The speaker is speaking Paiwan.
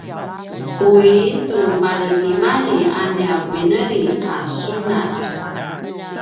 uwi tu maretimalji a nia vineli a sunatj